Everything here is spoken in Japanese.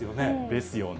ですよね。